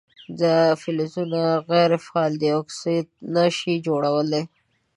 دا فلزونه غیر فعال دي او اکساید نه شي جوړولی.